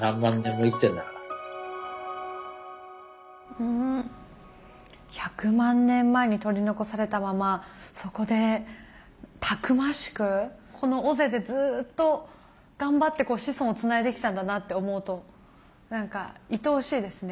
うん１００万年前に取り残されたままそこでたくましくこの尾瀬でずっと頑張って子孫をつないできたんだなって思うと何かいとおしいですね。